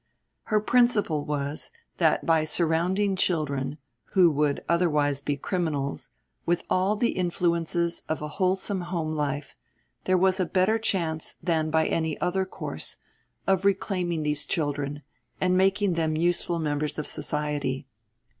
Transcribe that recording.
Her principle was that by surrounding children, who would otherwise be criminals, with all the influences of a wholesome home life, there was a better chance than by any other course, of reclaiming these children, and making them useful members of society.